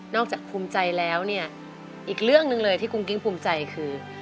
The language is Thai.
จากภูมิใจแล้วเนี่ยอีกเรื่องหนึ่งเลยที่กุ้งกิ้งภูมิใจคือ